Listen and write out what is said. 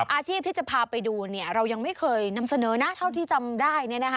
อาชีพที่จะพาไปดูเรายังไม่เคยนำเสนอนะเท่าที่จำได้